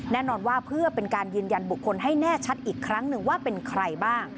แน่นอนว่าเพื่อเป็นการยืนยันบุคคลให้แน่ชัดอีกครั้งหนึ่งว่าเป็นใครบ้าง